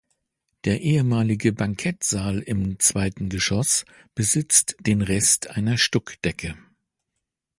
Der ehemalige Bankettsaal im zweiten Geschoss besitzt den Rest einer Stuckdecke.